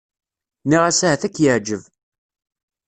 Nniɣ-as ahat ad k-yeεǧeb.